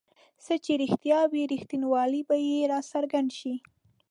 څه چې رښتیا وي رښتینوالی به یې راڅرګند شي.